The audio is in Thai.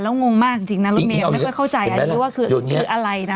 ละงงมากจริงจริงนะไม่เคยเข้าใจอ่ะอย่างนี้ว่าคือคืออะไรนะ